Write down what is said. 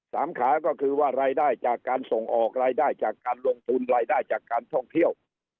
ขาก็คือว่ารายได้จากการส่งออกรายได้จากการลงทุนรายได้จากการท่องเที่ยว